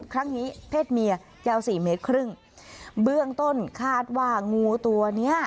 ครั้งนี้เพศเมียยาวสี่เมตรครึ่งเบื้องต้นคาดว่างูตัวเนี้ย